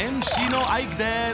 ＭＣのアイクです！